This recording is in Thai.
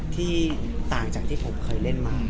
ที่ต่างจากที่ผมเคยเล่นบ้าง